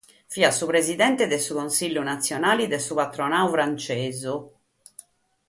Fiat su presidente de su Consìgiu natzionale de su patronadu frantzesu.